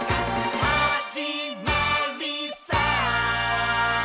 「はじまりさー」